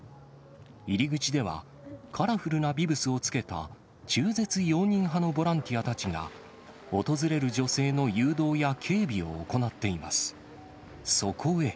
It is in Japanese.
入り口では、カラフルなビブスをつけた中絶容認派のボランティアたちが、訪れる女性の誘導や警備を行っています。